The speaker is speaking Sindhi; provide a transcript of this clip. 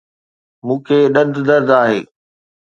مون کي ڏند درد آهي